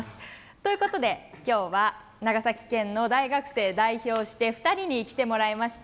ということで、今日は長崎県の大学生を代表して２人に来てもらいました。